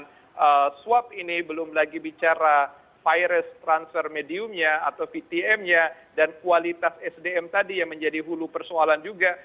dan swab ini belum lagi bicara virus transfer mediumnya atau vtmnya dan kualitas sdm tadi yang menjadi hulu persoalan juga